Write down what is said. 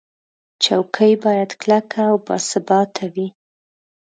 چوکۍ باید کلکه او باثباته وي.